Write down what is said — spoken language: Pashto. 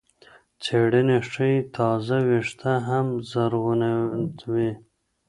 څېړنې ښيي تازه وېښته هم زرغونوي.